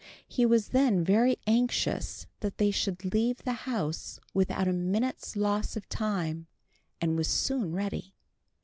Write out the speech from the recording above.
He was then very anxious that they should leave the house without a minute's loss of time, and was soon ready.